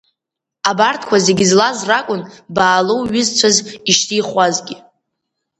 Абарҭқәа зегьы злаз ракәын Баалоу ҩызцәас ишьҭихуазгьы.